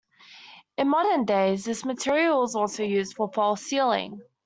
In modern days this material is also used for False Ceiling.